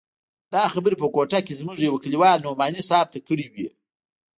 دا خبرې په کوټه کښې زموږ يوه کليوال نعماني صاحب ته کړې وې.